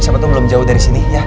siapa itu belum jauh dari sini ya